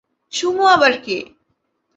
Sumo আবার কে?